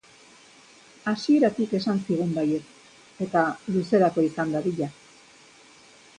Hasieratik esan zigun baietz eta luzerako izan dadila!